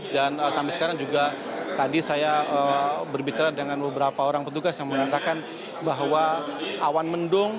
dan sampai sekarang juga tadi saya berbicara dengan beberapa orang petugas yang mengatakan bahwa awan mendung